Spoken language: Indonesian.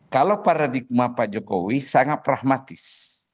kalau paradigma pak jokowi sangat pragmatis